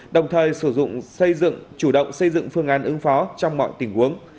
đồng thời sử dụng xây dựng chủ động xây dựng phương án ứng phó trong mọi tình huống